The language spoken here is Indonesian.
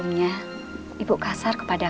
menangis kita oleh dia